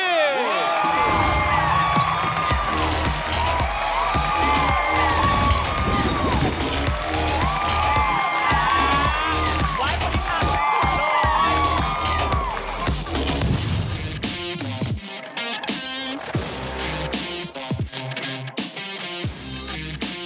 สวัสดีครับทรอมมี่ครับ